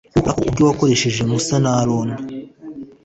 uhoraho ubwe wakoresheje musa na aroni